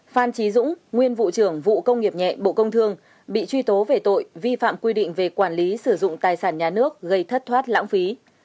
phan trí dũng nguyên vụ trưởng vụ công nghiệp nhẹ bộ công thương bị truy tố về tội vi phạm quy định về quản lý sử dụng tài sản nhà nước gây thất thoát lãng phí